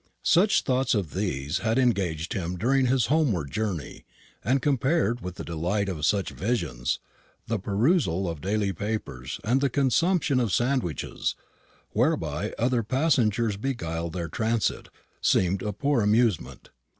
Such thoughts as these had engaged him during his homeward journey; and compared with the delight of such visions, the perusal of daily papers and the consumption of sandwiches, whereby other passengers beguiled their transit, seemed a poor amusement.